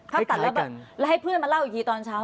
พับตัดแล้วแบบแล้วให้เพื่อนมาเล่าอีกทีตอนเช้า